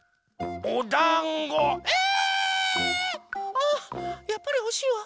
あやっぱりほしいわ。